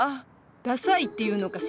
ダサいっていうのかしら。